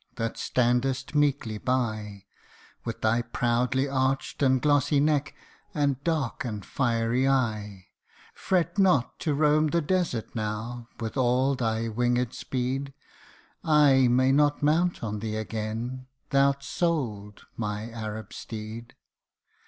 that standest meekly by With thy proudly arched and glossy neck, and dark and \ fiery eye ; Fret not to roam the desert now, with all thy winged speed /may not mount on thee again thou'rt sold, my Arab steed